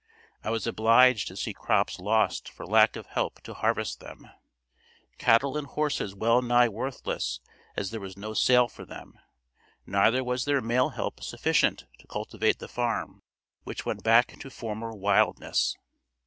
I was obliged to see crops lost for lack of help to harvest them; cattle and horses well nigh worthless as there was no sale for them, neither was there male help sufficient to cultivate the farm, which went back to former wildness.